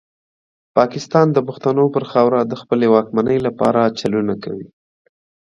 پاکستان د پښتنو پر خاوره د خپلې واکمنۍ لپاره چلونه کوي.